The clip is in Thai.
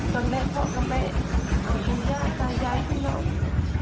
ตอนแรกพ่อกับแม่ขอบคุณย่าตายยายของเรา